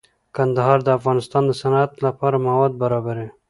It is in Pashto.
کندهار د افغانستان د صنعت لپاره مواد برابروي.